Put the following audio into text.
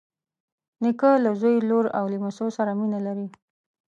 نیکه له زوی، لور او لمسیو سره مینه لري.